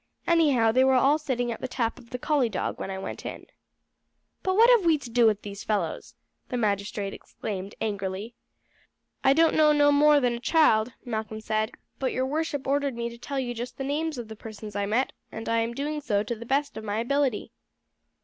Anyhow they were all sitting at the tap of the Collie Dog when I went in." "But what have we to do with these fellows?" the magistrate exclaimed angrily. "I don't know no more than a child," Malcolm said; "but your worship ordered me to tell you just the names of the persons I met, and I am doing so to the best of my ability."